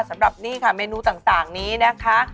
สำหรับนี่ค่ะเมนูต่างนี้นะคะ